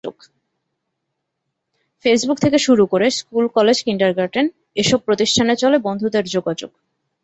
Facebook থেকে শুরু করে স্কুল, কলেজ, কিন্ডারগার্টেন—এসব প্রতিষ্ঠানে চলে বন্ধুদের যোগাযোগ।